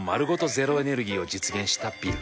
ゼロエネルギーを実現したビル。